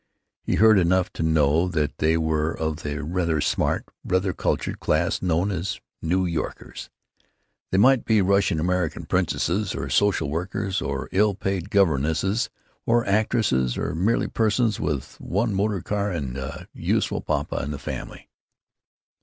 He heard enough to know that they were of the rather smart, rather cultured class known as "New Yorkers"—they might be Russian American princesses or social workers or ill paid governesses or actresses or merely persons with one motor car and a useful papa in the family.